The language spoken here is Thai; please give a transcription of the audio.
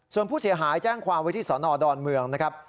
ส่วนผู้เสียหายแจ้งความไว้ที่สนดอนเมืองนะครับ